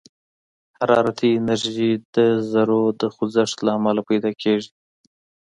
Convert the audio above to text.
حرارتي انرژي د ذرّو د خوځښت له امله پيدا کېږي.